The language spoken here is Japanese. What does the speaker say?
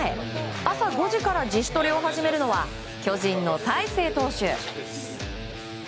朝５時から自主トレを始めるのは巨人の大勢投手。